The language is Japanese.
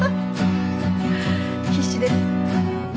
必死です。